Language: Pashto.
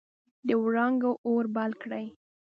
د وړانګو اور بل کړي